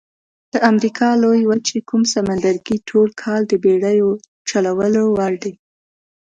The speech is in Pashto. د امریکا لویې وچې کوم سمندرګي ټول کال د بېړیو چلولو وړ دي؟